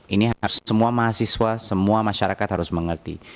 ini semua mahasiswa semua masyarakat harus mengerti